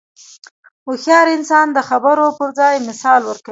هوښیار انسان د خبرو پر ځای مثال ورکوي.